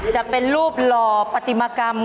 จะเป็นรูปหล่อปฏิมากรรม